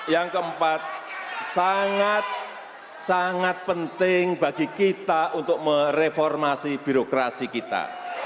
yang keempat sangat sangat penting bagi kita untuk mereformasi birokrasi kita